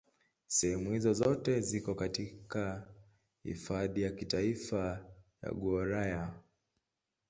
Sehemu hizo zote ziko katika Hifadhi ya Kitaifa ya Gouraya.